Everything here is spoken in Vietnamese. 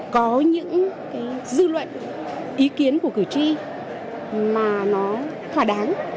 có những dư luận ý kiến của cử tri mà nó thỏa đáng